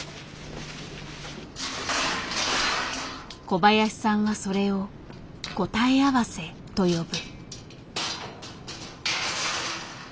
小林さんはそれを「答え合わせ」と呼ぶ。